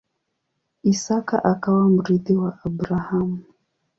Isaka akawa mrithi wa Abrahamu.